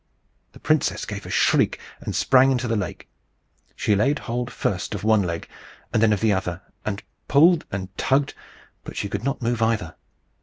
The princess gave a shriek, and sprang into the lake. She laid hold first of one leg, and then of the other, and pulled and tugged, but she could not move either.